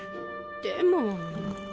でも。